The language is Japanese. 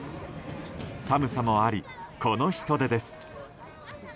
寒さもあり、この人出です。